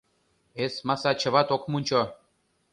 Эсмаса чыват ок мунчо.